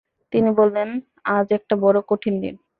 তিনি বললেন, আজ একটা বড় কঠিন দিন।